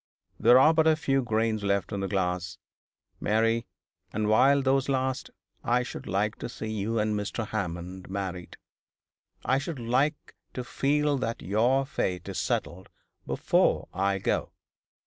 There are but a few grains left in the glass, Mary; and while those last I should like to see you and Mr. Hammond married. I should like to feel that your fate is settled before I go.